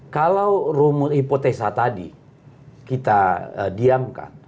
kalau rumon hipotesa tadi kita diamkan